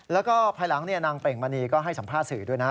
แล้วก็ภายหลังนางเป่งมณีก็ให้สัมภาษณ์สื่อด้วยนะ